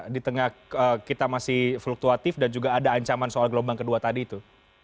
di tengah kita masih fluktuatif dan juga ada ancaman soal gelombang kedua tadi itu